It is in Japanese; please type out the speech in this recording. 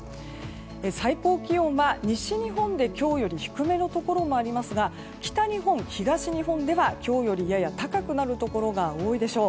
最高気温は西日本で今日より低めのところもありますが北日本、東日本では今日よりやや高くなるところが多いでしょう。